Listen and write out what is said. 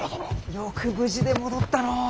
よく無事で戻ったのう。